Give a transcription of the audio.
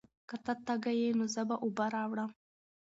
که ته تږی یې، نو زه به اوبه راوړم.